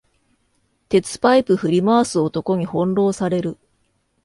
鉄パイプ振り回す男に翻弄される